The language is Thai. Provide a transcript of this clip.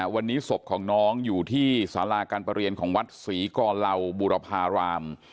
วันนี้ศพของน้องอยู่ที่สาราการประเรียนของวัดศรีกรเหล่าบุรพาราม